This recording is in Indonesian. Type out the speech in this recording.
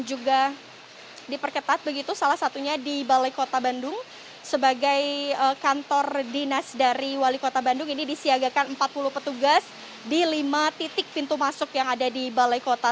dan juga diperketat begitu salah satunya di balai kota bandung sebagai kantor dinas dari wali kota bandung ini disiagakan empat puluh petugas di lima titik pintu masuk yang ada di balai kota